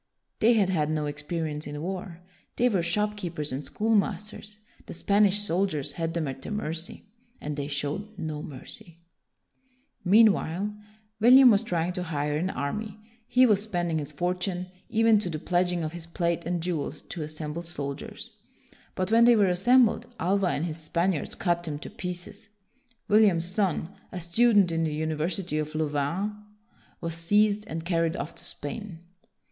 They had had no experience in war. They were shopkeepers and schoolmasters. The Spanish soldiers had them at their mercy, and they showed no mercy. Meanwhile, William was trying to hire an army. He was spending his fortune, even to the pledging of his plate and jewels, to assemble soldiers. But when they were assembled Alva and his Span iards cut them to pieces. William's son, a student in the University of Louvain, was seized and carried off to Spain.